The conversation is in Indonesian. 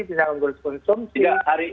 bisa menggerus konsumsi